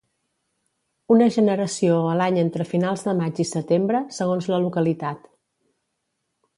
Una generació a l'any entre finals de maig i setembre, segons la localitat.